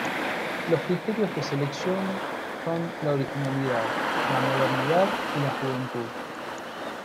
Los criterios de selección son la originalidad, la modernidad y la juventud.